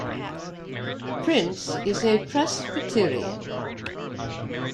Prince is a Presbyterian.